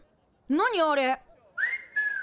何あれ？